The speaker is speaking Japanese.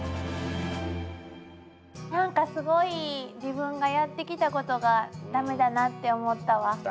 何かすごい自分がやってきたことが駄目だなって思ったわ。